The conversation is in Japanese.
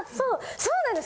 そうなんです！